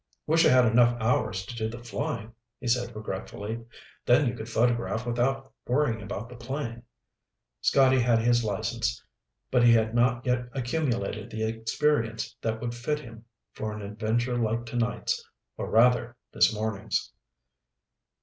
"Wish I had enough hours to do the flying," he said regretfully. "Then you could photograph without worrying about the plane." Scotty had his license, but he had not yet accumulated the experience that would fit him for an adventure like tonight's. Or rather this morning's.